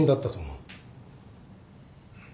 うん。